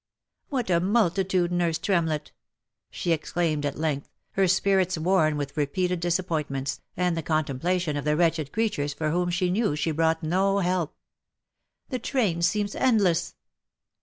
" What a multitude, nurse Tremlett !" she exclaimed at length, her spirits worn with repeated disappointments, and the contemplation of the wretched creatures for whom she knew she brought no help. " The train seems endless